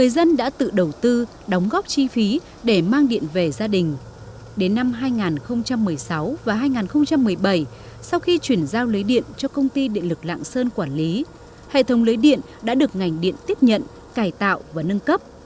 đã được ngành điện tiếp nhận cải tạo và nâng cấp